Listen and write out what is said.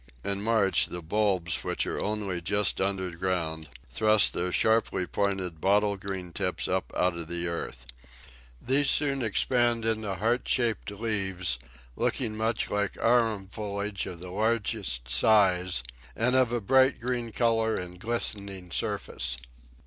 In March the bulbs, which are only just underground, thrust their sharply pointed bottle green tips out of the earth. These soon expand into heart shaped leaves, looking much like Arum foliage of the largest size, and of a bright green colour and glistening surface.